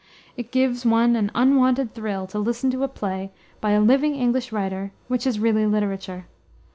It gives one an unwonted thrill to listen to a play, by a living English writer, which is really literature.